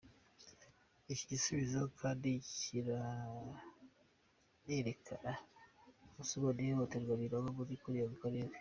Icyi gisubizo kandi kiranerekana ubusumbane n’ihohoterwa birangwa muri kariya karere!